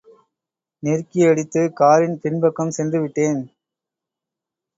நெருக்கியடித்து காரின் பின்பக்கம் சென்று விட்டேன்.